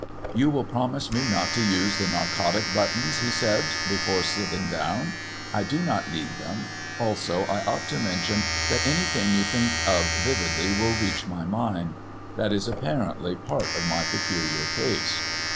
"You will promise me not to use the narcotic buttons," he said, before sitting down. "I do not need them. Also I ought to mention that anything you think of vividly will reach my mind. That is apparently part of my peculiar case."